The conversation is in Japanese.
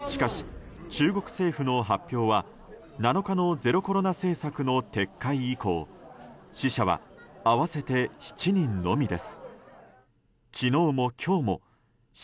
しかし、中国政府の発表は７日のゼロコロナ政策の撤回以降死者は合わせて７人のみです。